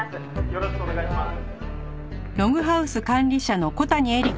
「よろしくお願いします」